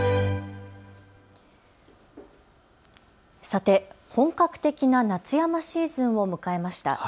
さて、本格的な夏山シーズンを迎えました。